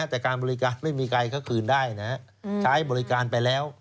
แต่การบริการไม่มีใครเขาคืนได้นะใช้บริการไปแล้ว